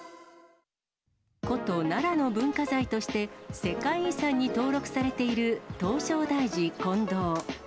古都、奈良の文化財として世界遺産に登録されている、唐招提寺金堂。